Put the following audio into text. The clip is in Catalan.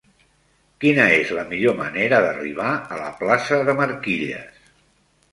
Quina és la millor manera d'arribar a la plaça de Marquilles?